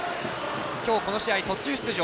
今日、この試合途中出場。